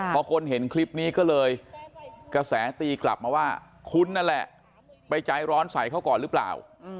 พอคนเห็นคลิปนี้ก็เลยกระแสตีกลับมาว่าคุณนั่นแหละไปใจร้อนใส่เขาก่อนหรือเปล่า